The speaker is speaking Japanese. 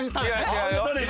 違うよ。